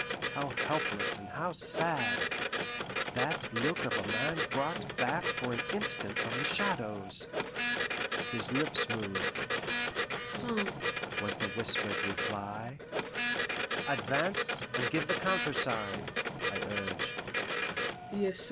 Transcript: how helpless and how sad: that look of a man brought back for an instant from the Shadows! his lips moved. "France," was the whispered reply. "Advance and give the countersign!" I urged.